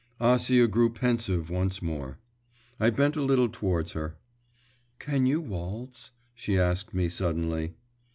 Acia grew pensive once more. I bent a little towards her. 'Can you waltz?' she asked me suddenly.